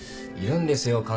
いるんですよ